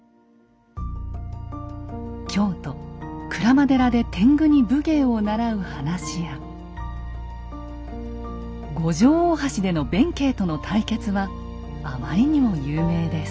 京都・鞍馬寺で天狗に武芸を習う話や五条大橋での弁慶との対決はあまりにも有名です。